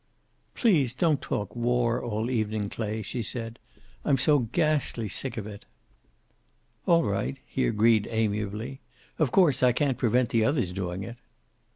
"Please don't talk war all evening, Clay," she said. "I'm so ghastly sick of it." "All right," he agreed amiably. "Of course I can't prevent the others doing it."